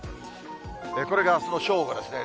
これがあすの正午ですね。